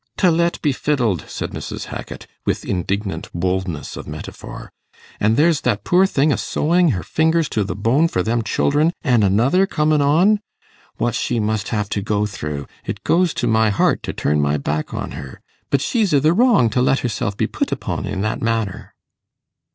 'Tilette, be fiddled!' said Mrs. Hackit, with indignant boldness of metaphor; 'an' there's that poor thing a sewing her fingers to the bone for them children an' another comin' on. What she must have to go through! It goes to my heart to turn my back on her. But she's i' the wrong to let herself be put upon i' that manner.